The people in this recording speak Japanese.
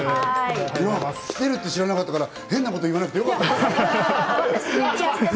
来てるって知らなかったから変なこと言わなくてよかった。